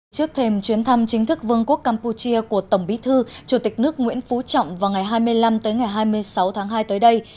trước thêm chuyến thăm chính thức vương quốc campuchia của tổng bí thư chủ tịch nước nguyễn phú trọng vào ngày hai mươi năm tới ngày hai mươi sáu tháng hai tới đây